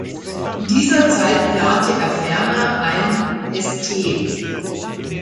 In dieser Zeit plante er ferner, ein «St.